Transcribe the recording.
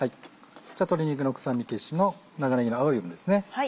じゃあ鶏肉の臭み消しの長ねぎの青い部分ですね。